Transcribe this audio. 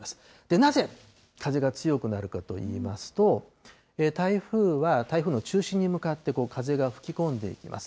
なぜ風が強くなるかといいますと、台風は、台風の中心に向かって風が吹き込んでいきます。